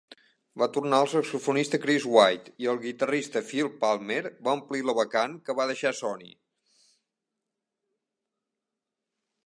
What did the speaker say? Va tornar el saxofonista Chris White, i el guitarrista Phil Palmer va omplir la vacant que va deixar Sonni.